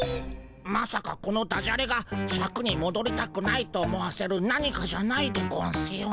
まさかこのダジャレがシャクにもどりたくないと思わせる何かじゃないでゴンスよね。